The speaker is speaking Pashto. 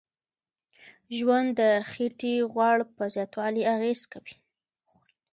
ژوند د خېټې غوړ په زیاتوالي اغیز کوي.